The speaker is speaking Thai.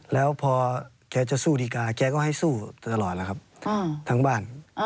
แล้วพอแกจะสู้ดีกาแกก็ให้สู้ตลอดแล้วครับทั้งบ้าน